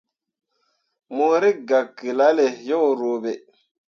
Mo rǝkʼgah ke lalle yo ruuɓe.